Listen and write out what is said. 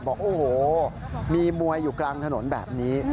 บอกโอ้โหมีมวยอยู่กลางถนนแบบนี้